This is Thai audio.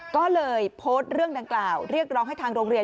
ก็เลยโพสต์เรื่องดังกล่าวเรียกร้องให้ทางโรงเรียน